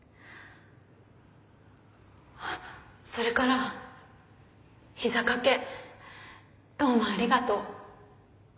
それから膝掛けどうもありがとう。